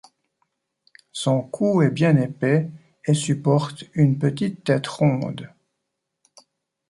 Son cou est bien épais et supporte une petite tête ronde.